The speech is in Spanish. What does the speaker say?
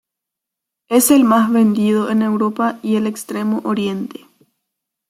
Es el más vendido en Europa y el Extremo Oriente.